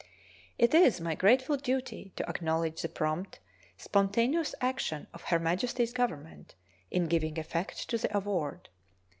It is my grateful duty to acknowledge the prompt, spontaneous action of Her Majesty's Government in giving effect to the award.